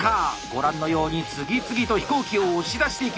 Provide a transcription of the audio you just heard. ご覧のように次々と飛行機を押し出していきます。